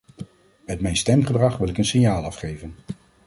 Met mijn stemgedrag wil ik een signaal afgeven.